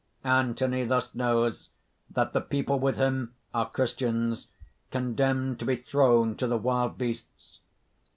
_ _Anthony thus knows that the people with him are Christians condemned to be thrown to the wild beasts.